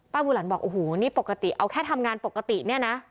บูหลันบอกโอ้โหนี่ปกติเอาแค่ทำงานปกติเนี่ยนะ